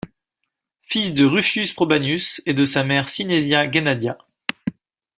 Fils de Rufius Probianus et de sa femme Synesia Gennadia.